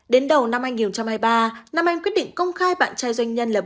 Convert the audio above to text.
đến đầu năm hai nghìn hai mươi ba nam anh quyết định công khai bạn trai doanh nhân là